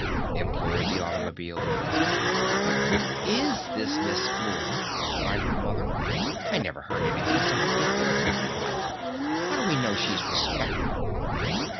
implored the automobile. "But who is this Miss Flora?" cried her Mother. "I never heard anything so ridiculous in my life! How do we know she's respectable?"